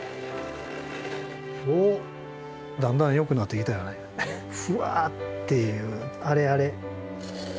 おっだんだんよくなってきたフワッていうあれあれ。